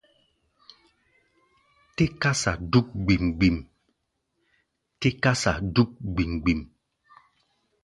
Te kása dúk gbím-gbím.